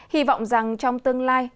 hy vọng rằng trong tương lai